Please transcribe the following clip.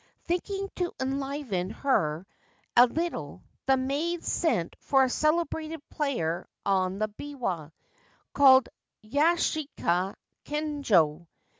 Thinking to enliven her a little, the maids sent for a celebrated player on the biwa, called Yashaskita Kengyo.